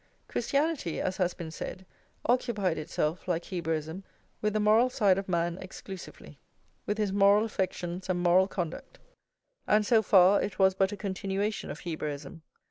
Christianity, as has been said, occupied itself, like Hebraism, with the moral side of man exclusively, with his moral affections and moral conduct; and so far it was but a continuation of Hebraism.